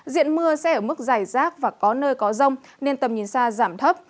diện mưa sẽ ở mức dài rác và có nơi có rông nên tầm nhìn xa giảm thấp